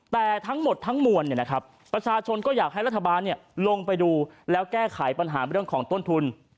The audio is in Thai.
แต่ทั้งหมดทั้งมวลประชาชนก็อยากให้รัฐบาลลงไปดูแล้วแก้ไขปัญหาเรื่องของต้นทุน